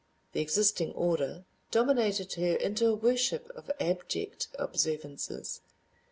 The existing order dominated her into a worship of abject observances.